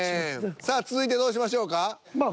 さあ続いてどうしましょうか？